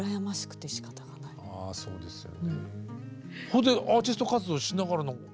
それでアーティスト活動しながらの。